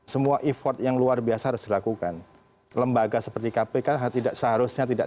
semua effort yang luar biasa harus dilakukan lembaga seperti kpk tidak seharusnya tidak